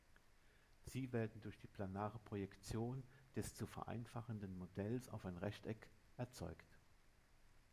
Sie werden durch die planare Projektion des zu vereinfachenden Modells auf ein Rechteck erzeugt.